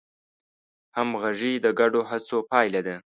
همغږي د ګډو هڅو پایله ده.